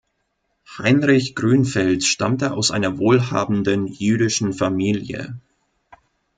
Heinrich Grünfeld stammte aus einer wohlhabenden jüdischen Familie.